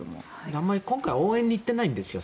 あまり今回は応援に行ってないんですよ。